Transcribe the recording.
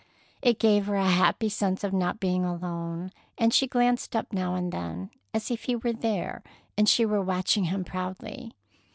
It gave her a happy sense of not being alone, and she glanced up now and then as if he were there and she were watching him proudly.